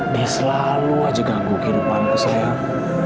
dia selalu aja ganggu kehidupanku sehat